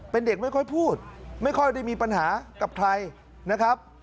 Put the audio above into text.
เป็นเด็กไม่ค่อยพูดไม่ค่อยได้มีปัญหากับใครนะครับ